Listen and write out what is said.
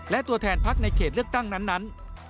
และตัวแทนพักในเขตเลือกตั้งนั้น